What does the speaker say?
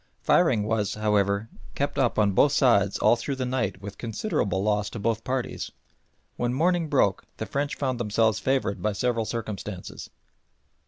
Firing was, however, kept up on both sides all through the night with considerable loss to both parties. When morning broke the French found themselves favoured by several circumstances.